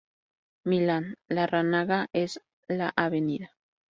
Millán; Larrañaga es la Av.